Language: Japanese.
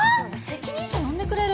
責任者呼んでくれる？